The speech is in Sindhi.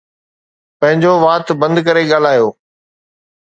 پنهنجو وات بند ڪري ڳالهايو.